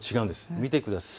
見てください。